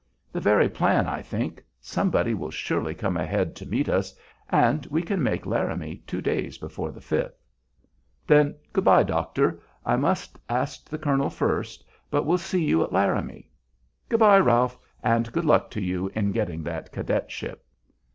"The very plan, I think. Somebody will surely come ahead to meet us, and we can make Laramie two days before the Fifth." "Then, good by, doctor; I must ask the colonel first, but we'll see you at Laramie." "Good by, Ralph, and good luck to you in getting that cadetship."